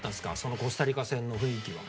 コスタリカ戦の雰囲気は。